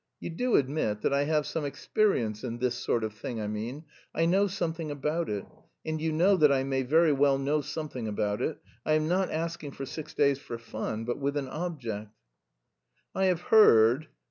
You do admit that I have some experience in this sort of thing, I mean; I know something about it, and you know that I may very well know something about it. I am not asking for six days for fun but with an object." "I have heard..."